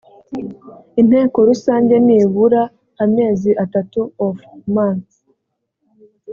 inteko rusange nibura amezi atatu of months